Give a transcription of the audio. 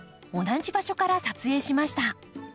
同じ場所から撮影しました。